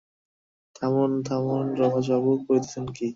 থামুন, থামুন রমেশবাবু, করিতেছেন কী?